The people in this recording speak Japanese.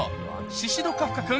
シシド・カフカ君